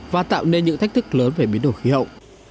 và tạo nên những thách thức lớn về biến đổi khí hậu